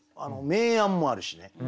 明暗もあるしね